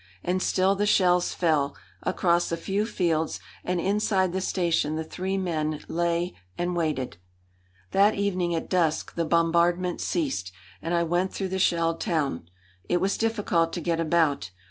And still the shells fell, across a few fields, and inside the station the three men lay and waited. That evening at dusk the bombardment ceased, and I went through the shelled town. It was difficult to get about.